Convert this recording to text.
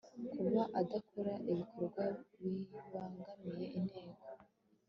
kuba adakora ibikorwa bibangamiye intego